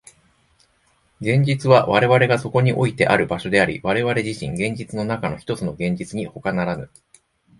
現実は我々がそこにおいてある場所であり、我々自身、現実の中のひとつの現実にほかならぬ。